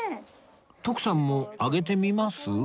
徳さんもあげてみます？